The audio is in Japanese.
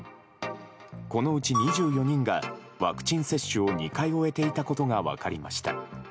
このうち２４人がワクチン接種を２回終えていたことが分かりました。